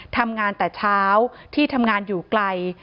ทำงานแต่เช้าที่ทำงานอยู่ไกล